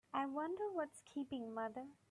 I wonder what's keeping mother?